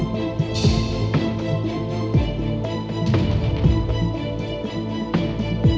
กันให้ละที